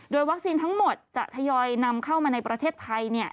วัคซีนทั้งหมดจะทยอยนำเข้ามาในประเทศไทย